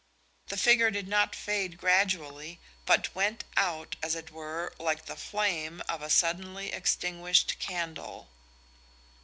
The figure did not fade gradually, but went out, as it were, like the flame of a suddenly extinguished candle.